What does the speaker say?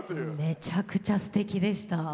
めちゃくちゃすてきでした。